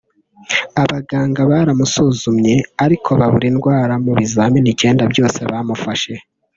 Abaganga baramusuzumye ariko babura indwara mu bizamini icyenda byose bamufashe